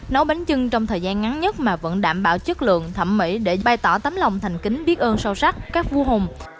nấu bánh chưng trong thời gian ngắn nhất mà vẫn đảm bảo chất lượng thẩm mỹ để bày tỏ tấm lòng thành kính biết ơn sâu sắc các vua hùng